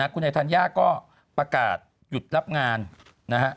คุณไอธัญญาก็ประกาศหยุดรับงานนะฮะ